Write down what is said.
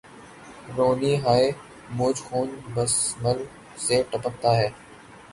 روانی ہاۓ موج خون بسمل سے ٹپکتا ہے